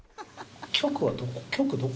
局はどこ？